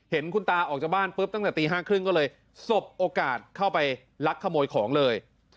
เห็นคุณตาออกจากบ้านปุ๊บตั้งแต่ตี๕๓๐ก็เลยสบโอกาสเข้าไปลักขโมยของเลย